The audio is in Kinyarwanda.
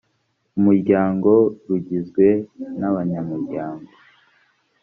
umuryango rugizwe n abanyamuryango